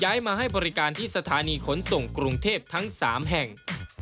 มาให้บริการที่สถานีขนส่งกรุงเทพทั้ง๓แห่ง